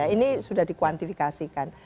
ini sudah dikuantifikasikan